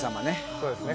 そうですね